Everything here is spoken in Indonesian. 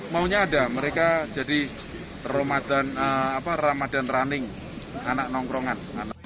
maunya ada mereka jadi ramadan running anak nongkrongan